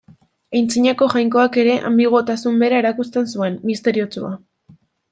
Aintzinako jainkoak ere anbiguotasun bera erakusten zuen, misteriotsua.